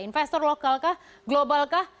investor lokal kah global kah